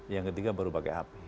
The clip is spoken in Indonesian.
yang ketiga baru pakai hp